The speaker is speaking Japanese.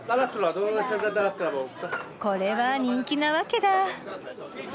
これは人気なわけだ。